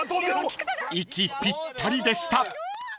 ［息ぴったりでした］